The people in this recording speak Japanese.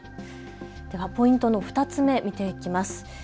ポイントの２つ目、見ていきます。